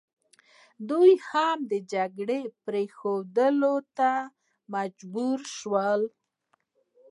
دی هم د جنګ پرېښودلو ته مجبور شو.